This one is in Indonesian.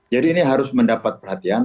jadi ini harus mendapat perhatian